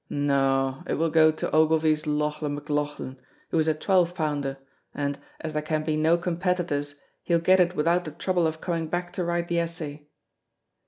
No, it will go to Ogilvy's Lauchlan McLauchlan, who is a twelve pounder, and, as there can be no competitors, he'll get it without the trouble of coming back to write the essay."